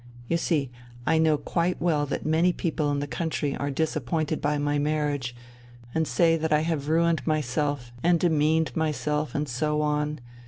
You see, I know quite well that many people in the country are disappointed by my marriage and say that I have ruined myself, and demeaned myself, and so on.